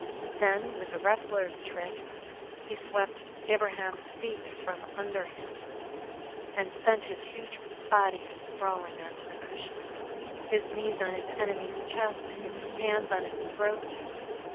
Then, with a wrestler's trick, he swept Ibraheim's feet from under him and sent his huge body sprawling on to the cushions, his knee on his enemy's chest, his hands on his throat.